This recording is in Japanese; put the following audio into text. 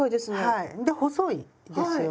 はいで細いですよね。